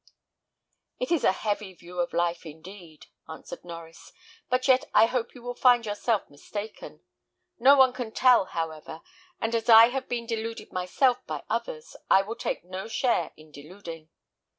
"It is a heavy view of life, indeed," answered Norries; "but yet I hope you will find yourself mistaken. No one can tell, however; and as I have been deluded myself by others, I will take no share in deluding."